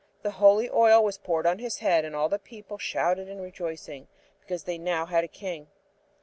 The holy oil was poured on his head and all the people shouted in rejoicing, because they now had a king.